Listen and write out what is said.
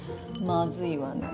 まずいわね。